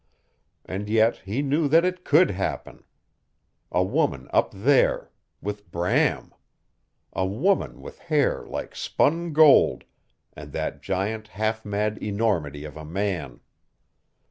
And yet he knew that it COULD happen. A woman up there with Bram! A woman with hair like spun gold and that giant half mad enormity of a man!